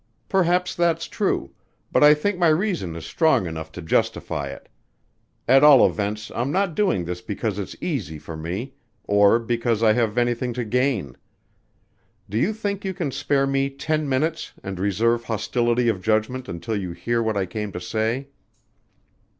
Perhaps that's true, but I think my reason is strong enough to justify it. At all events I'm not doing this because it's easy for me, or because I have anything to gain. Do you think you can spare me ten minutes and reserve hostility of judgment until you hear what I came to say?"